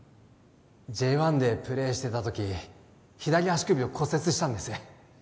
Ｊ１でプレーしてた時左足首を骨折したんです